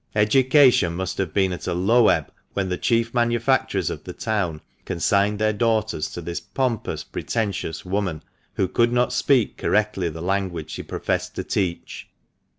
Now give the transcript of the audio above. Education must have been at a low ebb when the chief manu facturers of the town consigned their daughters to this pompous, pretentious woman, who could not speak correctly the language she professed to teach.